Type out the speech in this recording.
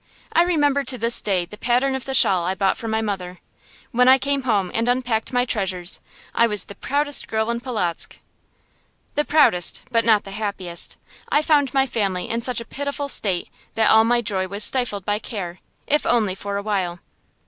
I remember to this day the pattern of the shawl I bought for my mother. When I came home and unpacked my treasures, I was the proudest girl in Polotzk. The proudest, but not the happiest. I found my family in such a pitiful state that all my joy was stifled by care, if only for a while.